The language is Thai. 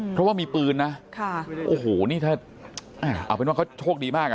เพราะว่ามีปืนนะโอ้โหนี่ถ้าเอาเป็นว่าเขาโชคดีมากอ่ะ